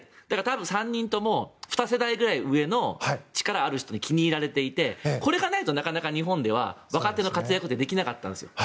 だから多分３人とも２世代上の力のある人に気に入られていてこれがないとなかなか日本では若手が活躍できなかったんです。